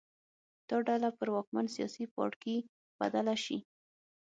دا ډله پر واکمن سیاسي پاړکي بدله شي.